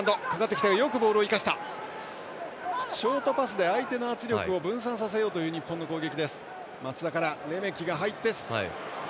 ショートパスで相手の圧力を分散させようという日本の攻撃。